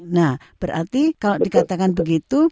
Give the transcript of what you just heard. nah berarti kalau dikatakan begitu